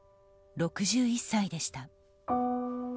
６１歳でした。